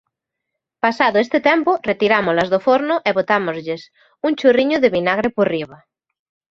Pasado este tempo retirámolas do forno e botámoslles un chorriño de vinagre por enriba.